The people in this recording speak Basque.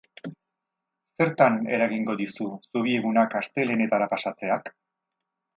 Zertan eragingo digu, zubi egunak astelehenetara pasatzeak?